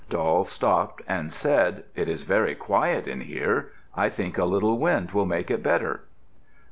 Doll stopped and said, "It is very quiet in here. I think a little wind will make it better."